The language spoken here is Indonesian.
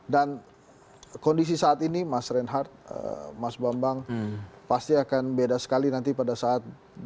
dan kondisi saat ini mas reinhardt mas bambang pasti akan beda sekali nanti pada saat ini